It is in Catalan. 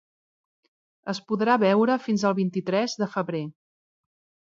Es podrà veure fins al vint-i-tres de febrer.